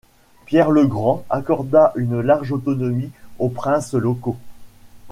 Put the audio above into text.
Pierre le Grand accorda une large autonomie aux princes locaux.